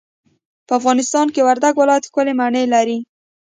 په افغانستان کي وردګ ولايت ښکلې مڼې لري.